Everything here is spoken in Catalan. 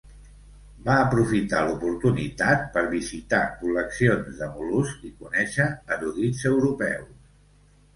Va aprofitar l'oportunitat per visitar col·leccions de mol·luscs i conèixer erudits europeus.